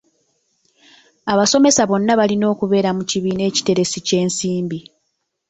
Abasomesa bonna balina okubeera mu kibiina ekiteresi ky'ensimbi.